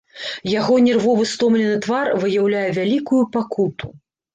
Яго нервовы стомлены твар выяўляе вялікую пакуту.